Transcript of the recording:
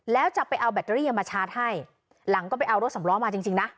แล้วจะไปเอาแบตเตอรี่มาชาร์จให้หลังก็ไปเอารถสำล้อมาจริงนะ